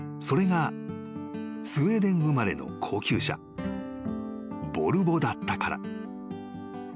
［それがスウェーデン生まれの高級車ボルボだったから］